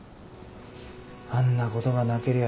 あんなことがなけりゃ